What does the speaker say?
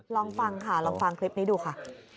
ลองฟังค่ะลองฟังคลิปนี้ดูค่ะ